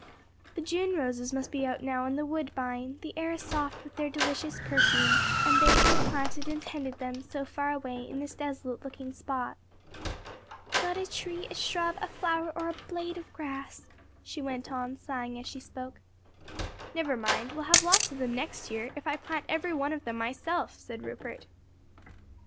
The June roses must be out now and the woodbine the air sweet with their delicious perfume and they who had planted and tended them, so far away in this desolate looking spot. "Not a tree, a shrub, a flower or a blade of grass!" she went on, sighing as she spoke. "Never mind, we'll have lots of them next year, if I plant every one myself," said Rupert.